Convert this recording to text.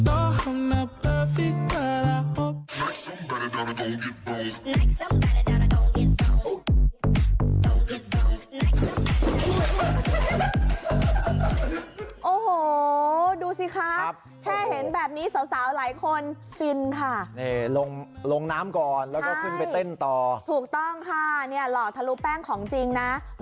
โอ้โหดูสิคะแค่เห็นแบบนี้สาวหลายคนฟินค่ะนี่ลงลงน้ำก่อนแล้วก็ขึ้นไปเต้นต่อถูกต้องค่ะเนี่ยหล่อทะลุแป้งของจริงนะ